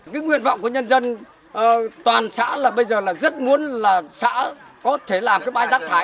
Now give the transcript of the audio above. cái nguyện vọng của nhân dân toàn xã là bây giờ là rất muốn là xã có thể làm cái bãi rác thải